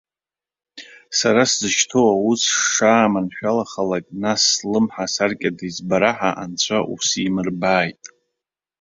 Сара сзышьҭоу аус шааманшәалахалак нас, слымҳа саркьада избараҳа, анцәа усимырбааит!